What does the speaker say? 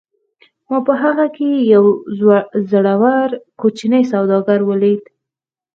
ما په هغه کې یو زړور کوچنی سوداګر ولید